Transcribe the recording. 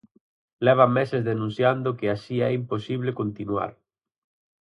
Levan meses denunciando que así é imposible continuar.